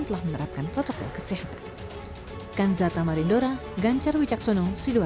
telah menerapkan protokol kesehatan